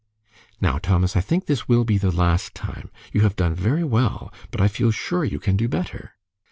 "Now, Thomas, I think this will be the last time. You have done very well, but I feel sure you can do better."